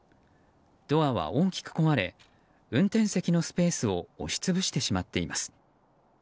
ドアは大きく壊れ運転席のスペースを押し潰してしまっています。